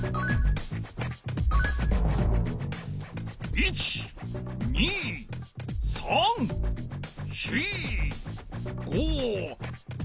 １２３４５６。